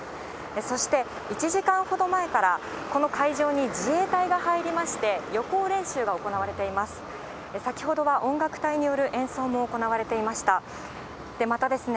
そして１時間ほど前から、この会場に自衛隊が入りまして、予行練習が行われています。